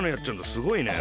すごいね。